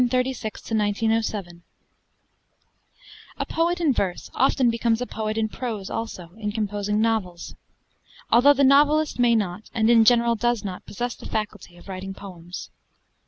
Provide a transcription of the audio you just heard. THOMAS BAILEY ALDRICH (1836 ) A poet in verse often becomes a poet in prose also, in composing novels; although the novelist may not, and in general does not, possess the faculty of writing poems.